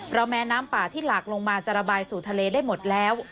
เพราะแม้น้ำป่าที่หลากลงมาจะระบายสู่ทะเลได้หมดแล้ว